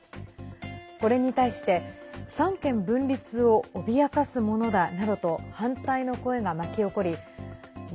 これに対して三権分立を脅かすものだなどと反対の声が巻き起こり５